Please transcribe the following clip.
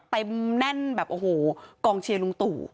แน่นแบบโอ้โหกองเชียร์ลุงตู่